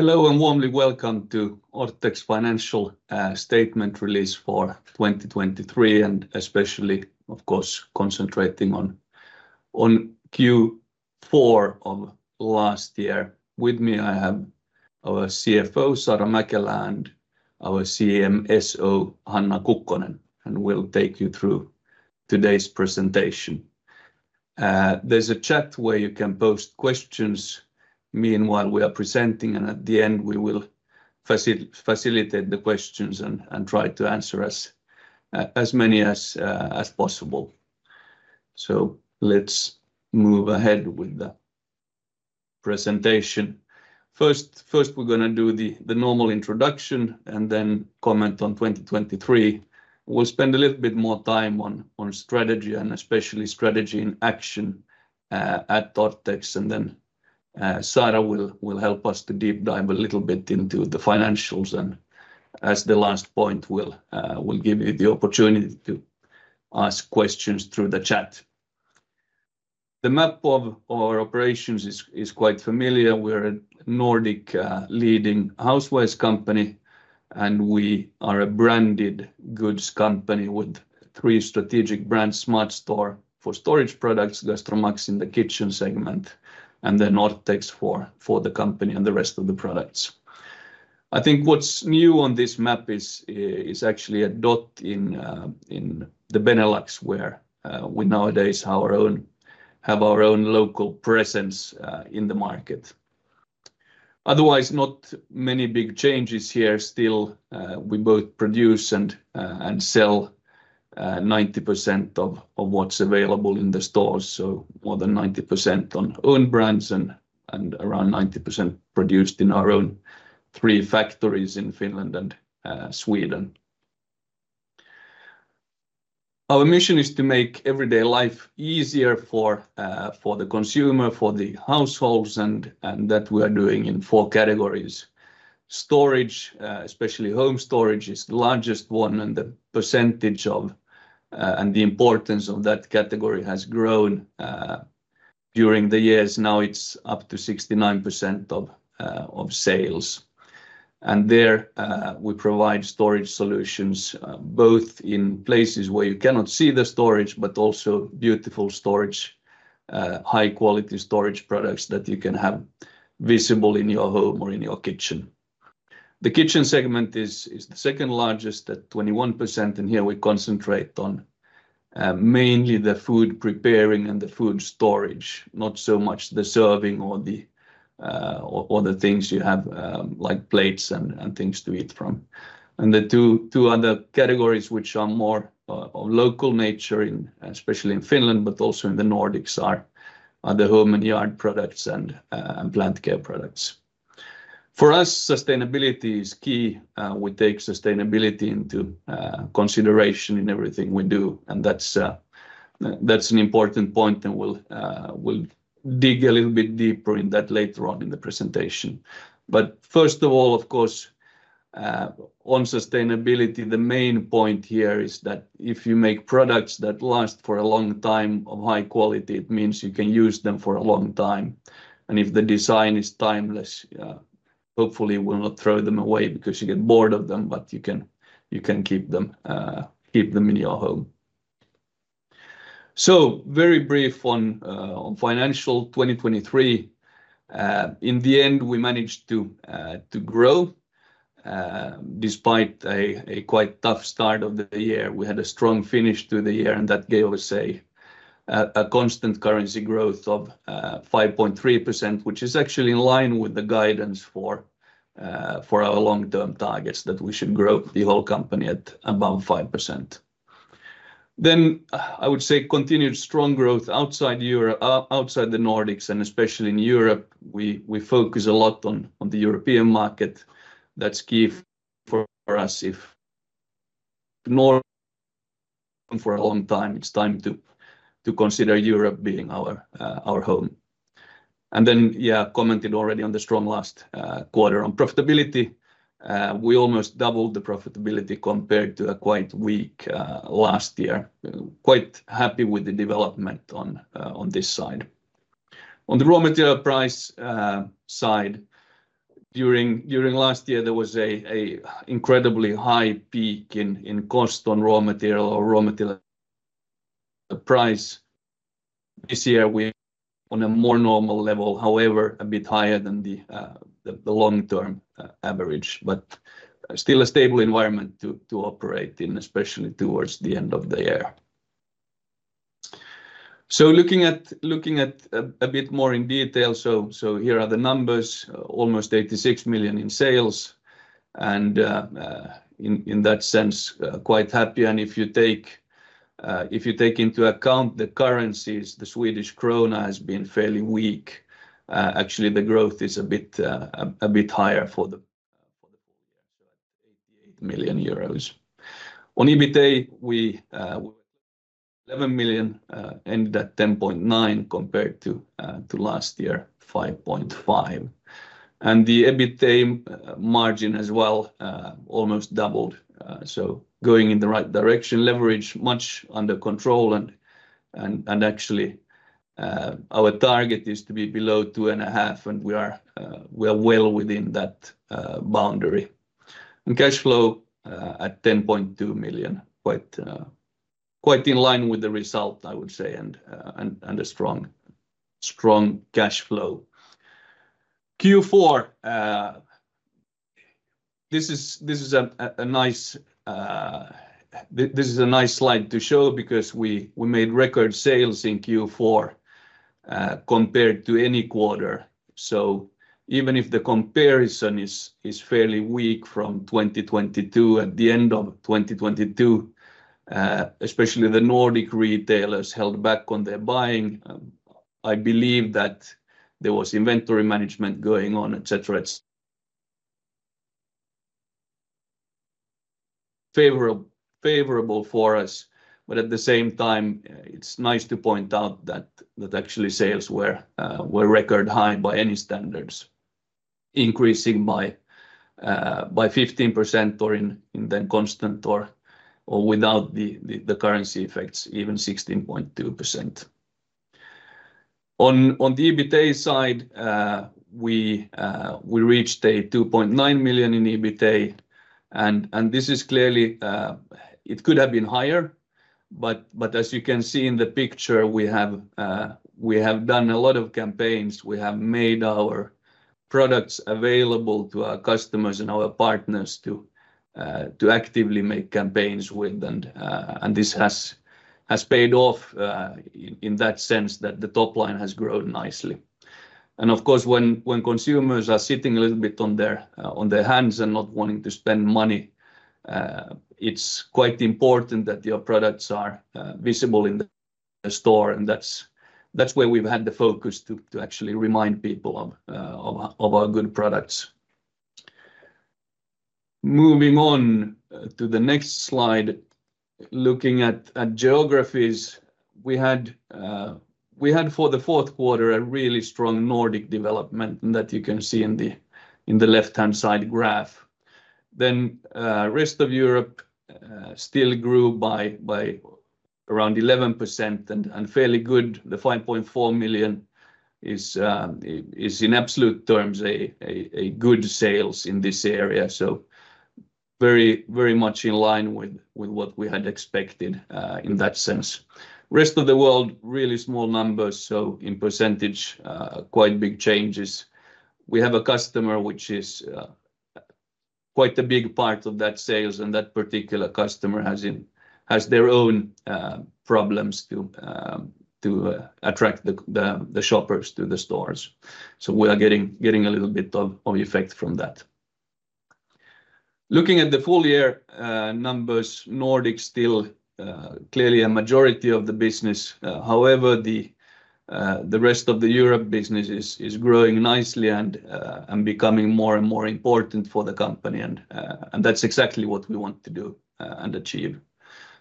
Hello and warmly welcome to Orthex financial statement release for 2023, and especially, of course, concentrating on Q4 of last year. With me I have our CFO Saara Mäkelä and our CMSO Hanna Kukkonen, and we'll take you through today's presentation. There's a chat where you can post questions meanwhile we are presenting, and at the end we will facilitate the questions and try to answer as many as possible. So let's move ahead with the presentation. First we're going to do the normal introduction and then comment on 2023. We'll spend a little bit more time on strategy and especially strategy in action at Orthex, and then Saara will help us to deep dive a little bit into the financials, and as the last point we'll give you the opportunity to ask questions through the chat. The map of our operations is quite familiar. We're a Nordic leading housewares company, and we are a branded goods company with three strategic brands: SmartStore for storage products, GastroMax in the kitchen segment, and then Orthex for the company and the rest of the products. I think what's new on this map is actually a dot in the Benelux where we nowadays have our own local presence in the market. Otherwise, not many big changes here. Still, we both produce and sell 90% of what's available in the stores, so more than 90% on own brands and around 90% produced in our own three factories in Finland and Sweden. Our mission is to make everyday life easier for the consumer, for the households, and that we are doing in four categories. Storage, especially home storage, is the largest one, and the percentage and the importance of that category has grown during the years. Now it's up to 69% of sales. There we provide storage solutions both in places where you cannot see the storage but also beautiful storage, high-quality storage products that you can have visible in your home or in your kitchen. The kitchen segment is the second largest, at 21%, and here we concentrate on mainly the food preparing and the food storage, not so much the serving or the other things you have like plates and things to eat from. The two other categories which are more of local nature, especially in Finland but also in the Nordics, are the home and yard products and plant care products. For us, sustainability is key. We take sustainability into consideration in everything we do, and that's an important point, and we'll dig a little bit deeper in that later on in the presentation. But first of all, of course, on sustainability, the main point here is that if you make products that last for a long time of high quality, it means you can use them for a long time. And if the design is timeless, hopefully you will not throw them away because you get bored of them, but you can keep them in your home. So very brief on financial 2023. In the end, we managed to grow. Despite a quite tough start of the year, we had a strong finish to the year, and that gave us a constant currency growth of 5.3%, which is actually in line with the guidance for our long-term targets that we should grow the whole company at above 5%. Then I would say continued strong growth outside the Nordics, and especially in Europe, we focus a lot on the European market. That's key for us. If ignored for a long time, it's time to consider Europe being our home. And then, yeah, commented already on the strong last quarter on profitability. We almost doubled the profitability compared to a quite weak last year. Quite happy with the development on this side. On the raw material price side, during last year there was an incredibly high peak in cost on raw material or raw material price. This year we're on a more normal level, however a bit higher than the long-term average, but still a stable environment to operate in, especially towards the end of the year. So looking at a bit more in detail, so here are the numbers: almost 86 million in sales, and in that sense quite happy. And if you take into account the currencies, the Swedish krona has been fairly weak. Actually, the growth is a bit higher for the full year, so at 88 million euros. On EBITDA, we were 11 million, ended at 10.9 compared to last year, 5.5. And the EBITDA margin as well almost doubled, so going in the right direction. Leverage much under control, and actually our target is to be below 2.5, and we are well within that boundary. And cash flow at 10.2 million, quite in line with the result, I would say, and a strong cash flow. Q4, this is a nice slide to show because we made record sales in Q4 compared to any quarter. So even if the comparison is fairly weak from 2022, at the end of 2022, especially the Nordic retailers held back on their buying. I believe that there was inventory management going on, etc. Favorable for us, but at the same time it's nice to point out that actually sales were record high by any standards, increasing by 15% or in constant or without the currency effects, even 16.2%. On the EBITDA side, we reached 2.9 million in EBITDA, and this is clearly, it could have been higher, but as you can see in the picture we have done a lot of campaigns. We have made our products available to our customers and our partners to actively make campaigns with, and this has paid off in that sense that the top line has grown nicely. And of course, when consumers are sitting a little bit on their hands and not wanting to spend money, it's quite important that your products are visible in the store, and that's where we've had the focus to actually remind people of our good products. Moving on to the next slide, looking at geographies, we had for the fourth quarter a really strong Nordic development that you can see in the left-hand side graph. Then the rest of Europe still grew by around 11% and fairly good. The 5.4 million is in absolute terms a good sales in this area, so very much in line with what we had expected in that sense. Rest of the world, really small numbers, so in percentage quite big changes. We have a customer which is quite a big part of that sales, and that particular customer has their own problems to attract the shoppers to the stores. So we are getting a little bit of effect from that. Looking at the full year numbers, Nordic still clearly a majority of the business. However, the rest of the Europe business is growing nicely and becoming more and more important for the company, and that's exactly what we want to do and achieve.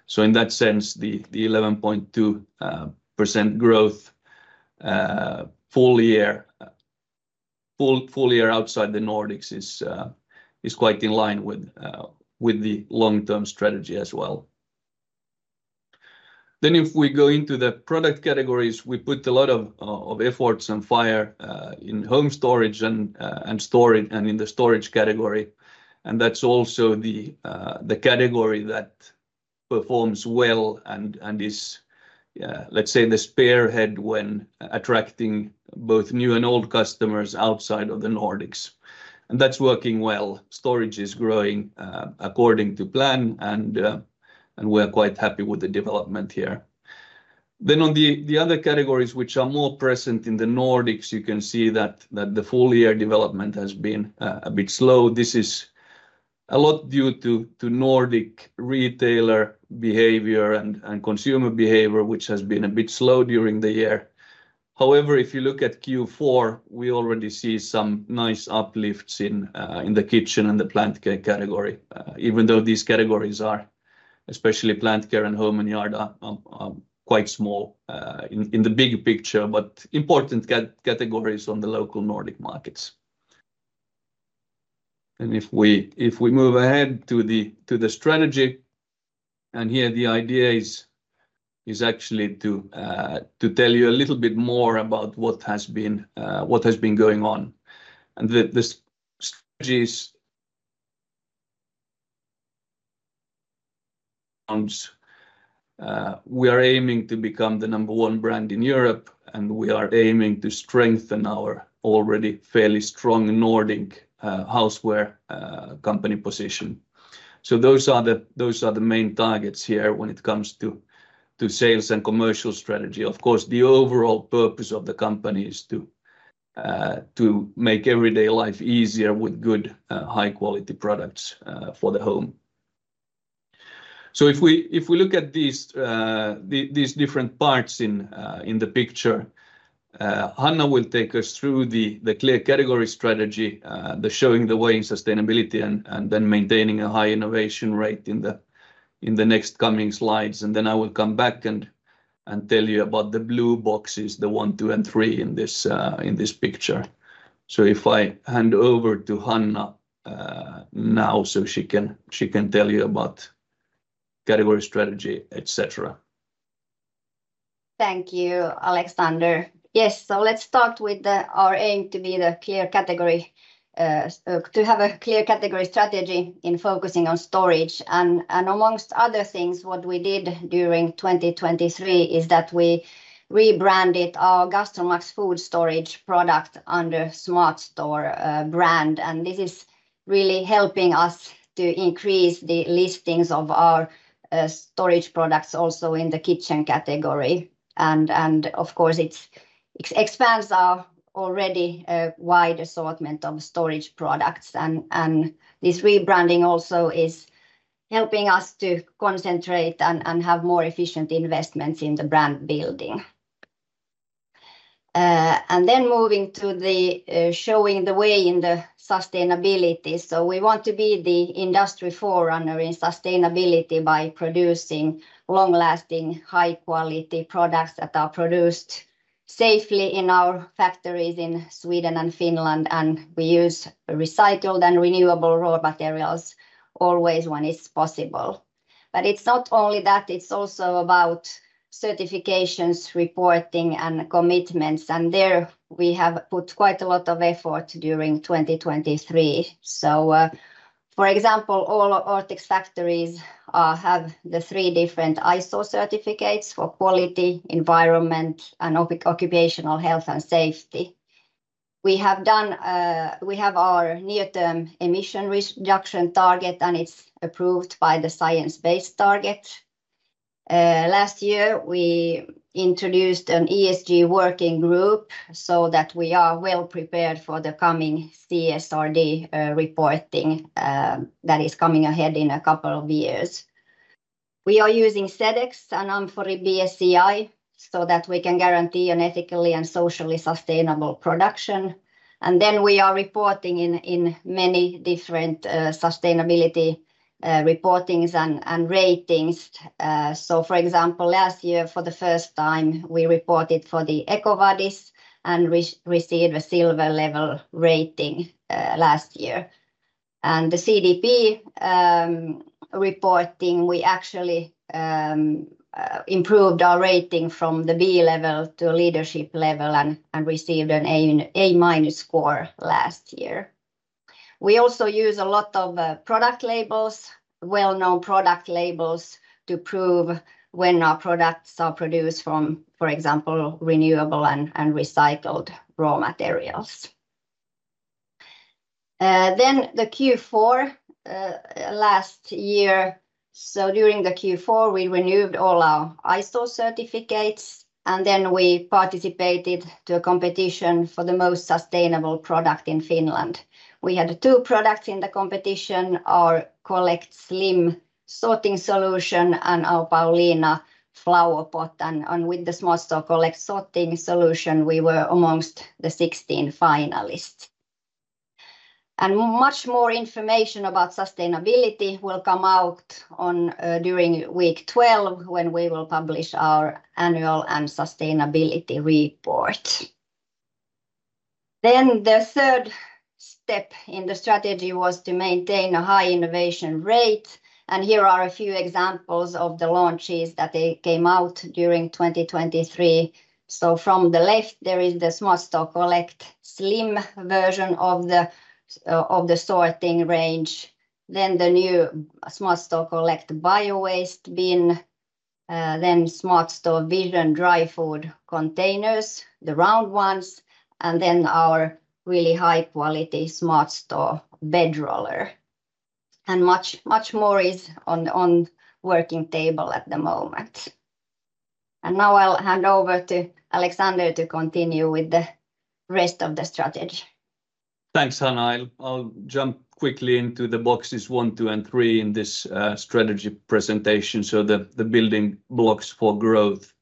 So in that sense, the 11.2% growth full year outside the Nordics is quite in line with the long-term strategy as well. Then if we go into the product categories, we put a lot of efforts and fire in home storage and in the storage category, and that's also the category that performs well and is, let's say, the spearhead when attracting both new and old customers outside of the Nordics. And that's working well. Storage is growing according to plan, and we are quite happy with the development here. Then on the other categories which are more present in the Nordics, you can see that the full year development has been a bit slow. This is a lot due to Nordic retailer behavior and consumer behavior, which has been a bit slow during the year. However, if you look at Q4, we already see some nice uplifts in the kitchen and the plant care category, even though these categories are, especially plant care and home and yard, quite small in the big picture, but important categories on the local Nordic markets. If we move ahead to the strategy, and here the idea is actually to tell you a little bit more about what has been going on. The strategy is we are aiming to become the number one brand in Europe, and we are aiming to strengthen our already fairly strong Nordic houseware company position. Those are the main targets here when it comes to sales and commercial strategy. Of course, the overall purpose of the company is to make everyday life easier with good, high-quality products for the home. So if we look at these different parts in the picture, Hanna will take us through the clear category strategy, showing the way in sustainability and then maintaining a high innovation rate in the next coming slides. And then I will come back and tell you about the blue boxes, the one, two, and three in this picture. So if I hand over to Hanna now so she can tell you about category strategy, etc. Thank you, Alexander. Yes, so let's start with our aim to be the clear category, to have a clear category strategy in focusing on storage. And among other things, what we did during 2023 is that we rebranded our GastroMax food storage product under SmartStore brand, and this is really helping us to increase the listings of our storage products also in the kitchen category. And of course, it expands our already wide assortment of storage products, and this rebranding also is helping us to concentrate and have more efficient investments in the brand building. And then moving to showing the way in the sustainability. So we want to be the industry forerunner in sustainability by producing long-lasting, high-quality products that are produced safely in our factories in Sweden and Finland, and we use recycled and renewable raw materials always when it's possible. It's not only that, it's also about certifications, reporting, and commitments, and there we have put quite a lot of effort during 2023. For example, all Orthex factories have the three different ISO certificates for quality, environment, and occupational health and safety. We have our near-term emission reduction target, and it's approved by the Science Based Targets initiatives. Last year we introduced an ESG working group so that we are well prepared for the coming CSRD reporting that is coming ahead in a couple of years. We are using SEDEX and Amfori BSCI so that we can guarantee an ethically and socially sustainable production. Then we are reporting in many different sustainability reportings and ratings. For example, last year for the first time we reported for the EcoVadis and received a silver level rating last year. The CDP reporting, we actually improved our rating from the B level to a leadership level and received an A-minus score last year. We also use a lot of product labels, well-known product labels, to prove when our products are produced from, for example, renewable and recycled raw materials. The Q4 last year, so during the Q4 we renewed all our ISO certificates, and then we participated in a competition for the most sustainable product in Finland. We had two products in the competition: our Collect Slim sorting solution and our Pauliina flowerpot. And with the SmartStore Collect sorting solution, we were among the 16 finalists. And much more information about sustainability will come out during week 12 when we will publish our annual sustainability report. The third step in the strategy was to maintain a high innovation rate. Here are a few examples of the launches that came out during 2023. So from the left, there is the SmartStore Collect Slim version of the sorting range, then the new SmartStore Collect Biowaste bin, then SmartStore Vision dry food containers, the round ones, and then our really high-quality SmartStore Bedroller. Much more is on the working table at the moment. Now I'll hand over to Alexander to continue with the rest of the strategy. Thanks, Hanna. I'll jump quickly into the boxes one, two, and three in this strategy presentation. The building blocks for growth,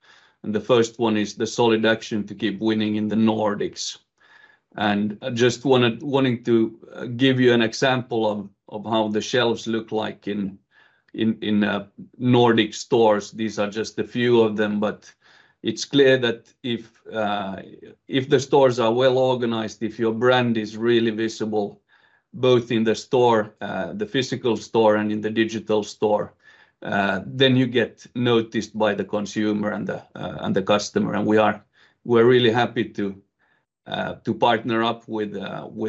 and the first one is the solid action to keep winning in the Nordics. Just wanting to give you an example of how the shelves look like in Nordic stores. These are just a few of them, but it's clear that if the stores are well organized, if your brand is really visible both in the physical store and in the digital store, then you get noticed by the consumer and the customer. We are really happy to partner up with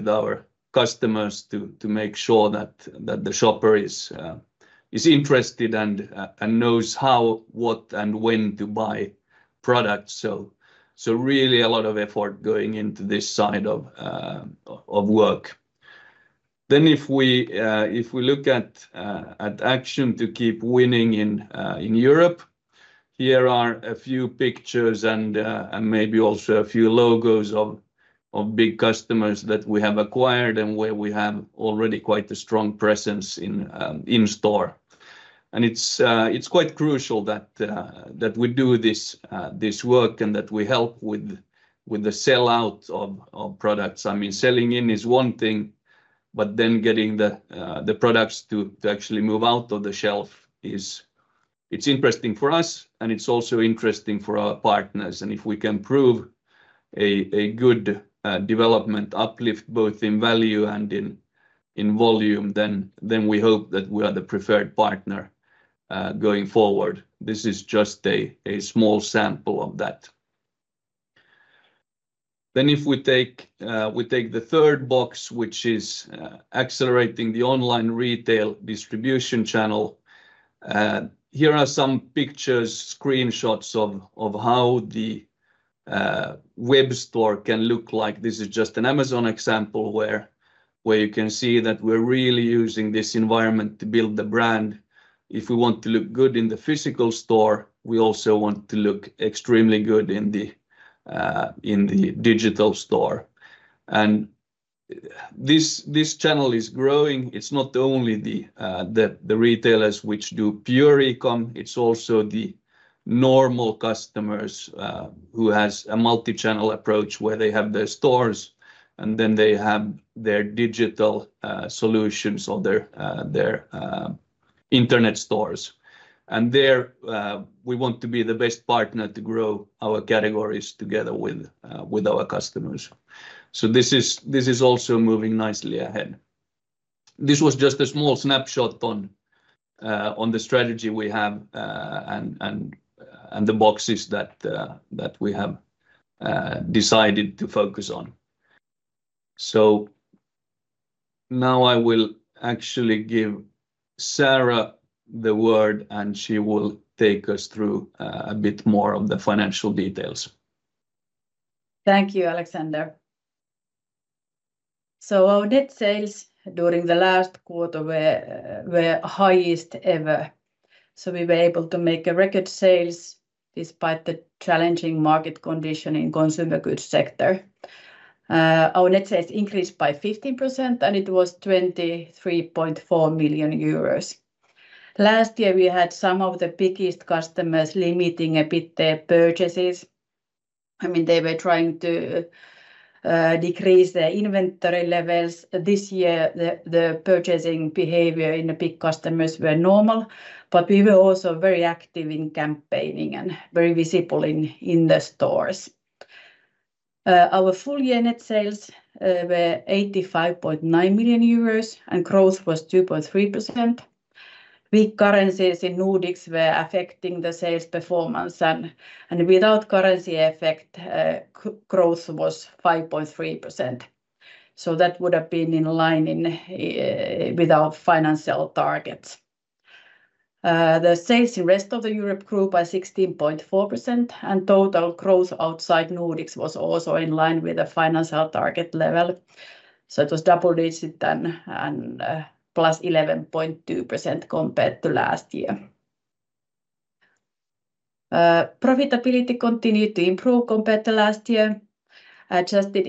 our customers to make sure that the shopper is interested and knows how, what, and when to buy products. Really a lot of effort going into this side of work. Then if we look at action to keep winning in Europe, here are a few pictures and maybe also a few logos of big customers that we have acquired and where we have already quite a strong presence in store. And it's quite crucial that we do this work and that we help with the sell-out of products. I mean, selling in is one thing, but then getting the products to actually move out of the shelf, it's interesting for us and it's also interesting for our partners. And if we can prove a good development uplift both in value and in volume, then we hope that we are the preferred partner going forward. This is just a small sample of that. Then if we take the third box, which is accelerating the online retail distribution channel, here are some pictures, screenshots of how the web store can look like. This is just an Amazon example where you can see that we're really using this environment to build the brand. If we want to look good in the physical store, we also want to look extremely good in the digital store. This channel is growing. It's not only the retailers which do pure e-com. It's also the normal customers who have a multi-channel approach where they have their stores and then they have their digital solutions or their internet stores. There we want to be the best partner to grow our categories together with our customers. This is also moving nicely ahead. This was just a small snapshot on the strategy we have and the boxes that we have decided to focus on. Now I will actually give Saara the word, and she will take us through a bit more of the financial details. Thank you, Alexander. Our net sales during the last quarter were highest ever. We were able to make a record sales despite the challenging market condition in the consumer goods sector. Our net sales increased by 15%, and it was 23.4 million euros. Last year we had some of the biggest customers limiting a bit their purchases. I mean, they were trying to decrease their inventory levels. This year the purchasing behavior in the big customers was normal, but we were also very active in campaigning and very visible in the stores. Our full year net sales were 85.9 million euros, and growth was 2.3%. Weak currencies in Nordics were affecting the sales performance, and without currency effect, growth was 5.3%. That would have been in line with our financial targets. The sales in the rest of the Europe group were 16.4%, and total growth outside Nordics was also in line with the financial target level. So it was double-digit and +11.2% compared to last year. Profitability continued to improve compared to last year. Adjusted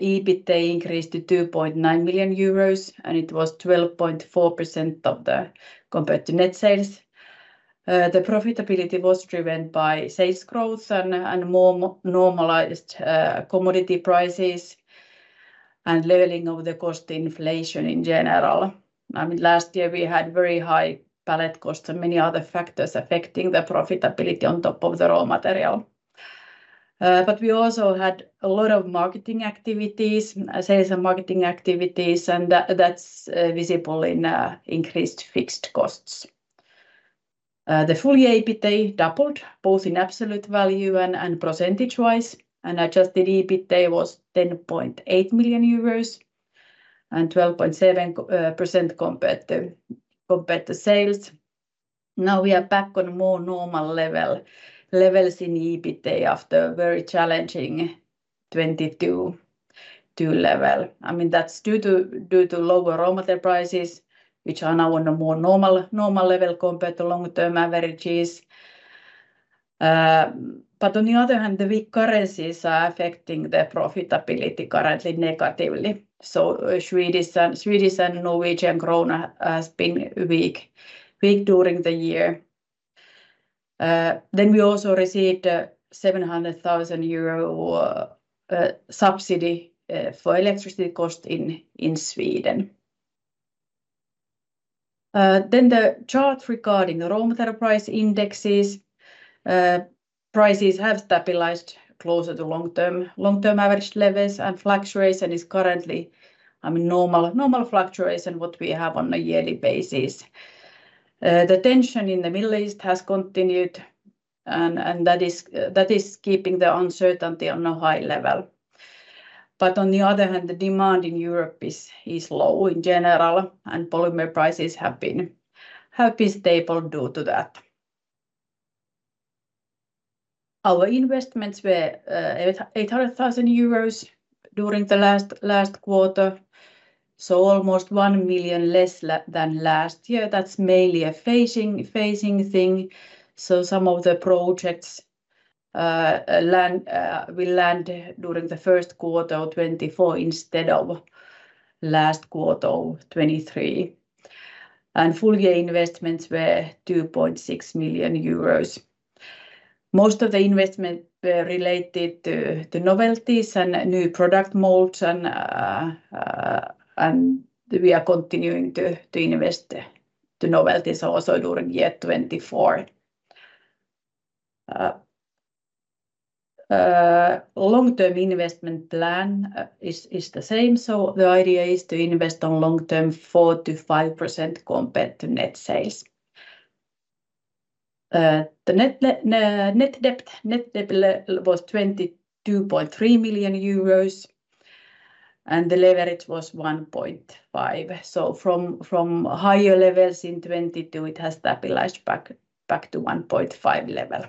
EBITDA increased to 2.9 million euros, and it was 12.4% compared to net sales. The profitability was driven by sales growth and more normalized commodity prices and leveling of the cost inflation in general. I mean, last year we had very high pallet costs and many other factors affecting the profitability on top of the raw material. But we also had a lot of marketing activities, sales and marketing activities, and that's visible in increased fixed costs. The full year EBITDA doubled both in absolute value and percentage-wise, and adjusted EBITDA was 10.8 million euros and 12.7% compared to sales. Now we are back on more normal levels in EBITDA after a very challenging 2022 level. I mean, that's due to lower raw material prices, which are now on the more normal level compared to long-term averages. But on the other hand, the weak currencies are affecting the profitability currently negatively. So Swedish and Norwegian krone has been weak during the year. Then we also received a 700,000 euro subsidy for electricity costs in Sweden. Then the chart regarding the raw material price indexes. Prices have stabilized closer to long-term average levels and fluctuation is currently, I mean, normal fluctuation what we have on a yearly basis. The tension in the Middle East has continued, and that is keeping the uncertainty on a high level. But on the other hand, the demand in Europe is low in general, and polymer prices have been stable due to that. Our investments were 800,000 euros during the last quarter, so almost 1 million less than last year. That's mainly a phasing thing. So some of the projects will land during the first quarter of 2024 instead of last quarter of 2023. And full year investments were 2.6 million euros. Most of the investments were related to novelties and new product molds, and we are continuing to invest in novelties also during year 2024. Long-term investment plan is the same. So the idea is to invest on long-term 4%-5% compared to net sales. The net debt was 22.3 million euros, and the leverage was 1.5. So from higher levels in 2022, it has stabilized back to 1.5 level.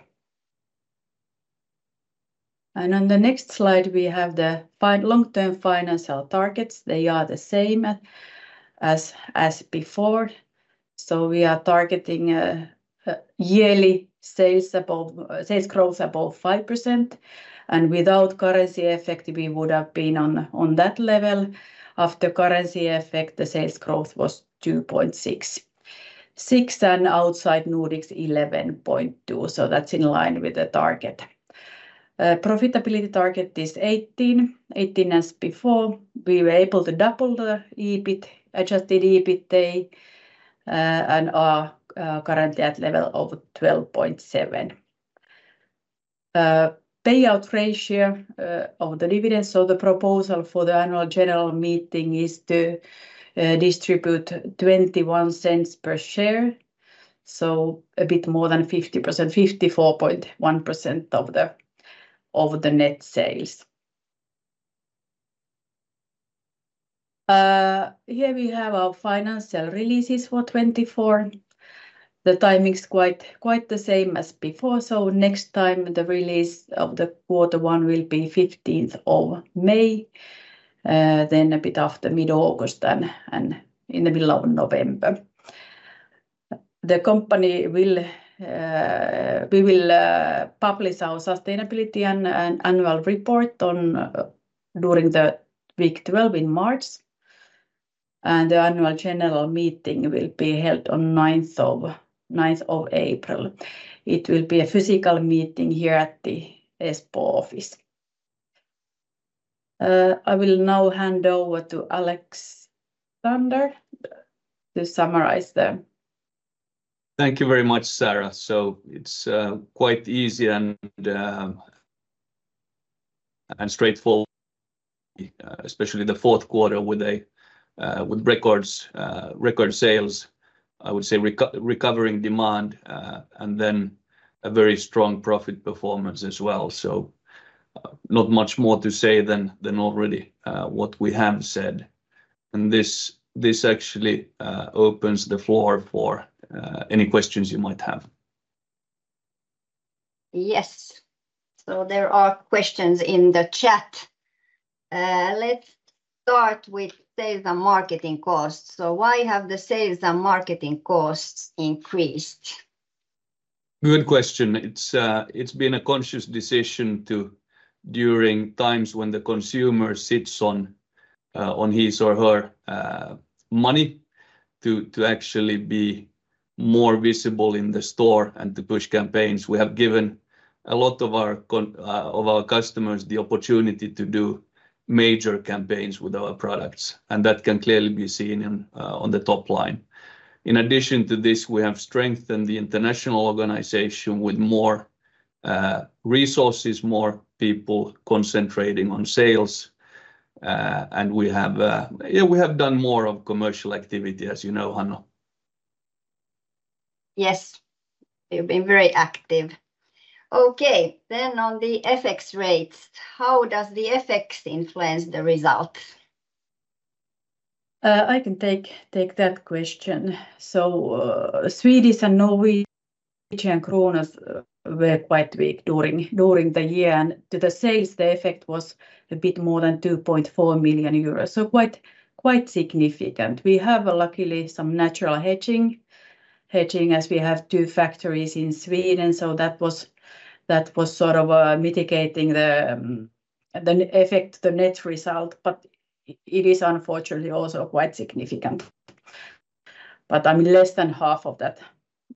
And on the next slide, we have the long-term financial targets. They are the same as before. So we are targeting yearly sales growth above 5%. Without currency effect, we would have been on that level. After currency effect, the sales growth was 2.6% and outside Nordics 11.2%. So that's in line with the target. Profitability target is 18% as before. We were able to double the adjusted EBITDA and our current debt level of 12.7. Payout ratio of the dividends of the proposal for the annual general meeting is to distribute 0.21 per share, so a bit more than 50%, 54.1% of the net sales. Here we have our financial releases for 2024. The timing is quite the same as before. So next time the release of quarter one will be 15th of May, then a bit after mid-August and in the middle of November. The company will publish our sustainability and annual report during week 12 in March. The Annual General Meeting will be held on 9th of April. It will be a physical meeting here at the Espoo office. I will now hand over to Alexander to summarize the. Thank you very much, Saara. It's quite easy and straightforward, especially the fourth quarter with record sales, I would say, recovering demand and then a very strong profit performance as well. Not much more to say than already what we have said. This actually opens the floor for any questions you might have. Yes. There are questions in the chat. Let's start with sales and marketing costs. Why have the sales and marketing costs increased? Good question. It's been a conscious decision during times when the consumer sits on his or her money to actually be more visible in the store and to push campaigns. We have given a lot of our customers the opportunity to do major campaigns with our products, and that can clearly be seen on the top line. In addition to this, we have strengthened the international organization with more resources, more people concentrating on sales. Yeah, we have done more of commercial activity, as you know, Hanna. Yes. You've been very active. Okay. Then on the FX rates, how does the FX influence the results? I can take that question. So Swedish krona and Norwegian krone were quite weak during the year, and to the sales, the effect was a bit more than 2.4 million euros. So quite significant. We have, luckily, some natural hedging as we have two factories in Sweden. So that was sort of mitigating the effect, the net result. But it is unfortunately also quite significant. But I mean, less than half of that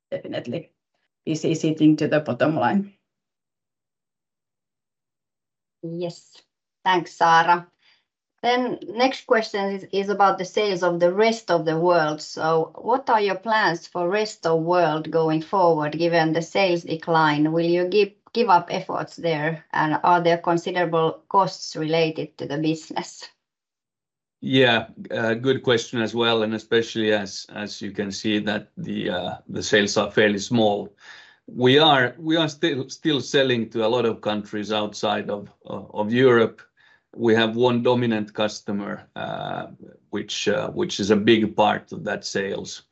definitely is hitting to the bottom line. Yes. Thanks, Saara. Next question is about the sales of the rest of the world. So what are your plans for the rest of the world going forward given the sales decline? Will you give up efforts there, and are there considerable costs related to the business? Yeah, good question as well. And especially as you can see that the sales are fairly small. We are still selling to a lot of countries outside of Europe. We have one dominant customer, which is a big part of that sales.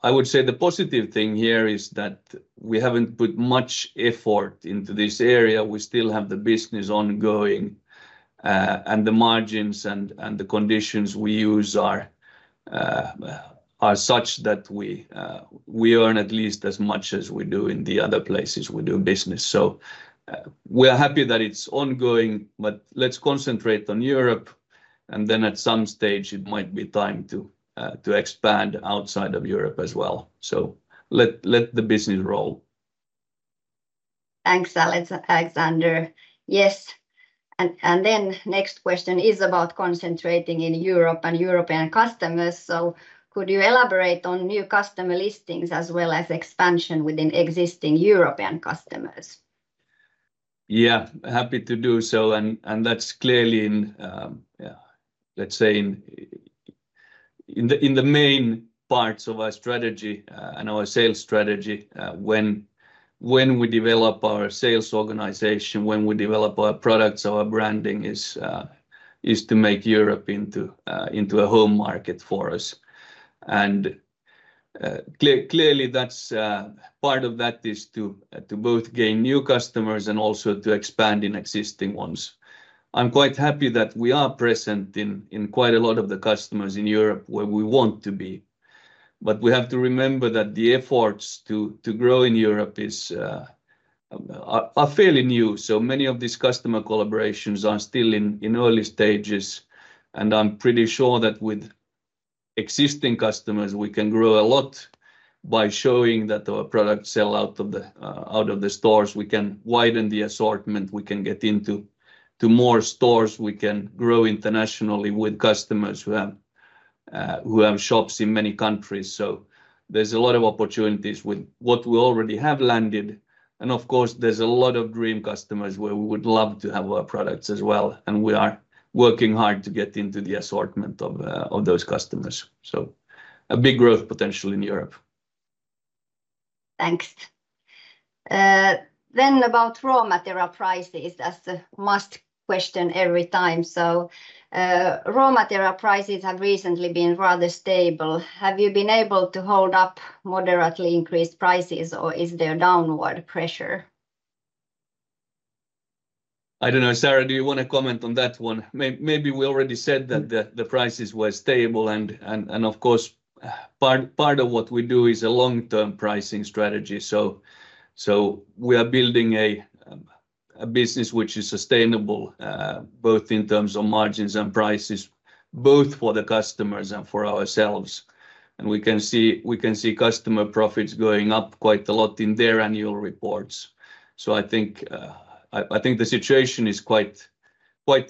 I would say the positive thing here is that we haven't put much effort into this area. We still have the business ongoing, and the margins and the conditions we use are such that we earn at least as much as we do in the other places we do business. So we are happy that it's ongoing, but let's concentrate on Europe. And then at some stage, it might be time to expand outside of Europe as well. So let the business grow. Thanks, Alexander. Yes. Next question is about concentrating in Europe and European customers. So could you elaborate on new customer listings as well as expansion within existing European customers? Yeah, happy to do so. That's clearly, let's say, in the main parts of our strategy and our sales strategy, when we develop our sales organization, when we develop our products, our branding is to make Europe into a home market for us. Clearly, part of that is to both gain new customers and also to expand in existing ones. I'm quite happy that we are present in quite a lot of the customers in Europe where we want to be. But we have to remember that the efforts to grow in Europe are fairly new. So many of these customer collaborations are still in early stages. I'm pretty sure that with existing customers, we can grow a lot by showing that our products sell out of the stores. We can widen the assortment. We can get into more stores. We can grow internationally with customers who have shops in many countries. There's a lot of opportunities with what we already have landed. Of course, there's a lot of dream customers where we would love to have our products as well. We are working hard to get into the assortment of those customers. A big growth potential in Europe. Thanks. Then about raw material prices, that's a must question every time. So raw material prices have recently been rather stable. Have you been able to hold up moderately increased prices, or is there downward pressure? I don't know. Saara, do you want to comment on that one? Maybe we already said that the prices were stable. And of course, part of what we do is a long-term pricing strategy. So we are building a business which is sustainable both in terms of margins and prices, both for the customers and for ourselves. And we can see customer profits going up quite a lot in their annual reports. So I think the situation is quite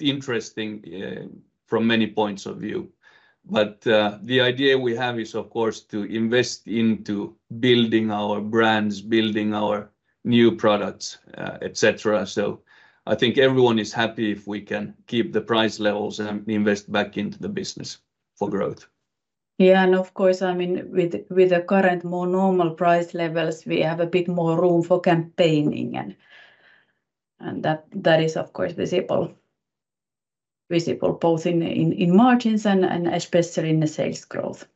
interesting from many points of view. But the idea we have is, of course, to invest into building our brands, building our new products, etc. So I think everyone is happy if we can keep the price levels and invest back into the business for growth. Yeah. Of course, I mean, with the current more normal price levels, we have a bit more room for campaigning. That is, of course, visible both in margins and especially in the sales growth.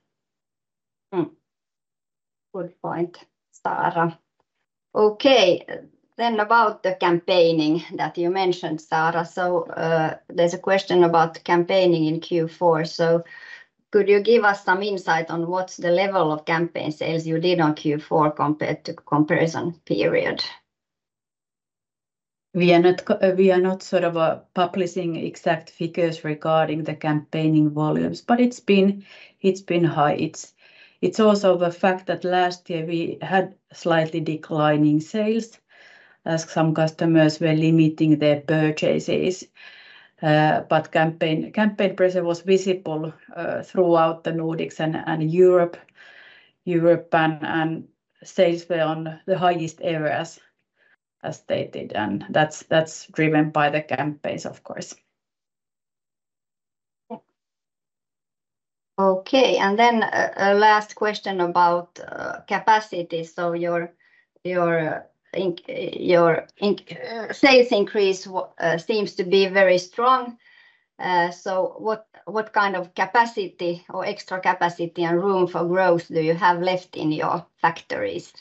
Good point, Saara. Okay. Then about the campaigning that you mentioned, Saara. So there's a question about campaigning in Q4. So could you give us some insight on what's the level of campaign sales you did on Q4 compared to the comparison period? We are not sort of publishing exact figures regarding the campaigning volumes, but it's been high. It's also the fact that last year we had slightly declining sales as some customers were limiting their purchases. But campaign pressure was visible throughout the Nordics and Europe, and sales were on the highest ever as stated. And that's driven by the campaigns, of course. Okay. And then last question about capacity. So your sales increase seems to be very strong. So what kind of capacity or extra capacity and room for growth do you have left in your factories?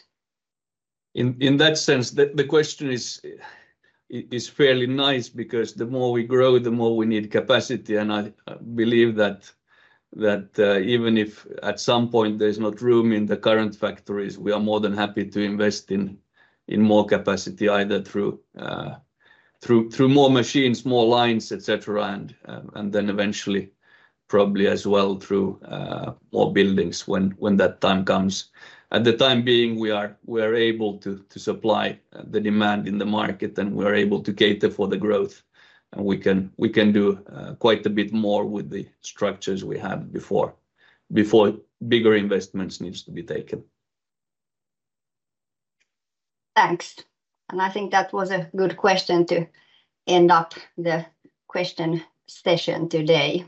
In that sense, the question is fairly nice because the more we grow, the more we need capacity. I believe that even if at some point there's not room in the current factories, we are more than happy to invest in more capacity either through more machines, more lines, etc. Then eventually probably as well through more buildings when that time comes. At the time being, we are able to supply the demand in the market, and we are able to cater for the growth. We can do quite a bit more with the structures we had before bigger investments need to be taken. Thanks. I think that was a good question to end up the question session today.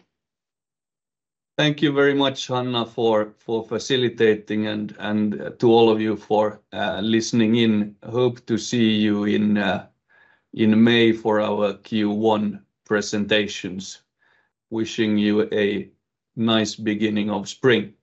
Thank you very much, Hanna, for facilitating, and to all of you for listening in. Hope to see you in May for our Q1 presentations. Wishing you a nice beginning of spring.